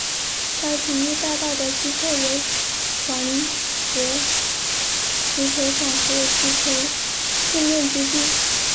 该体育大道的西侧为团泊足球场和足球训练基地。